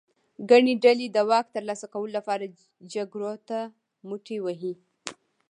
ګڼې ډلې د واک ترلاسه کولو لپاره جګړو ته مټې وهي.